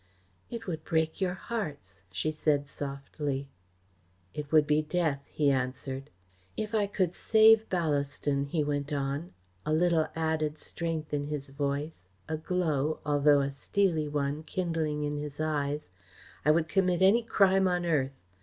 "It would break your hearts," she said softly. "It would be death," he answered. "If I could save Ballaston," he went on, a little added strength in his voice, a glow, although a steely one, kindling in his eyes, "I would commit any crime on earth.